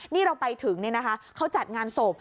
นี่เราไปถึงเนี่ยนะคะเขาจัดงานโศพ